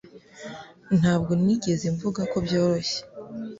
Ntabwo nigeze mvuga ko byoroshye